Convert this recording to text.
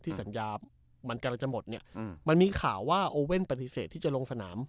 สัญญามันกำลังจะหมดเนี่ยมันมีข่าวว่าโอเว่นปฏิเสธที่จะลงสนาม